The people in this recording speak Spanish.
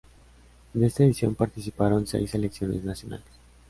En esta edición participaron seis selecciones nacionales.